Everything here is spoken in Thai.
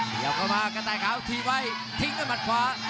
ขยับเข้ามากระต่ายขาวถีบไว้ทิ้งด้วยมัดขวา